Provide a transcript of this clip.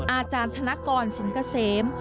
อาจารย์ธนกรสินเกษม